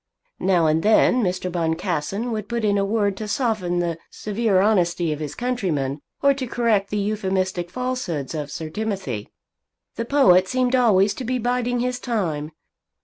Now and then Mr. Boncassen would put in a word to soften the severe honesty of his countryman, or to correct the euphemistic falsehoods of Sir Timothy. The poet seemed always to be biding his time.